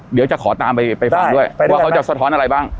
เดี๋ยวจะขอตามไปฟังด้วยว่าเขาจะสะท้อนอะไรบ้าง